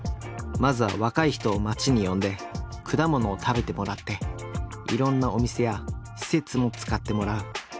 まずは若い人を町に呼んで果物を食べてもらっていろんなお店や施設も使ってもらう。